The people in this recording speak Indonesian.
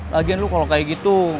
lagian lu kalau kayak gitu